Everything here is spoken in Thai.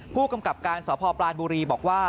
ผู้กำกับการสพปลานบุรีบอกว่า